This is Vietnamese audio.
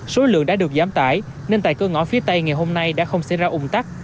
số lượng đã được giảm tải nên tại cơ ngõ phía tây ngày hôm nay đã không xảy ra ủng tắc